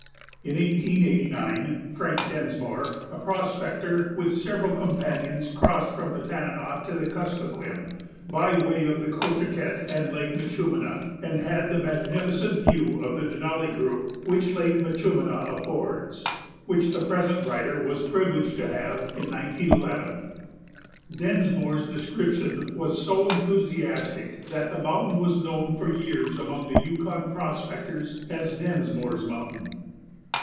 In 1889 Frank Densmore, a prospector, with several companions, crossed from the Tanana to the Kuskokwim by way of the Coschaket and Lake Minchúmina, and had the magnificent view of the Denali group which Lake Minchúmina affords, which the present writer was privileged to have in 1911. Densmore's description was so enthusiastic that the mountain was known for years among the Yukon prospectors as "Densmore's mountain."